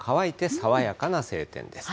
空気も乾いて爽やかな晴天です。